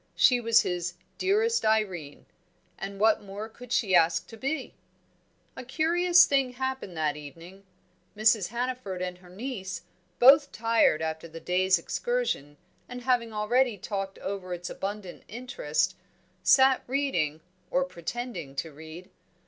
She was his "Dearest Irene"; and what more could she ask to be? A curious thing happened that evening. Mrs. Hannaford and her niece, both tired after the day's excursion, and having already talked over its abundant interests, sat reading, or pretending to read.